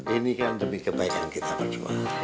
ini kan demi kebaikan kita berdua